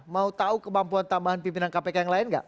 mau tahu kemampuan tambahan pimpinan kpk yang lain nggak